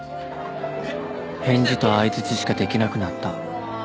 返事と相づちしかできなくなった